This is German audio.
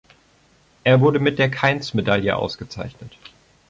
Er wurde mit der Kainz-Medaille ausgezeichnet.